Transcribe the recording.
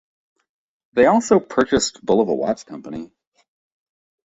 They also purchased the Bulova Watch Company.